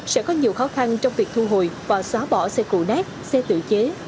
sẽ có nhiều khó khăn trong việc thu hồi và xóa bỏ xe cụ nát xe tự chế